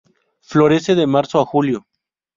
Florece de marzo a julio.